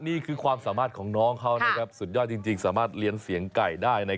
นี่คือความสามารถของน้องเขาสุดยอดจริงสามารถเลี้ยงเสียงไก่ได้